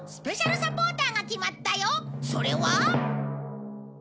それは。